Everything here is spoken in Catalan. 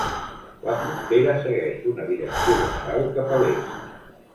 La frontera segueix una direcció general cap a l'est.